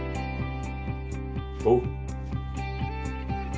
おう。